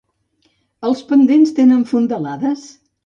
Els pendents tenen fondalades?